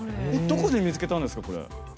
どこで見つけたんですか？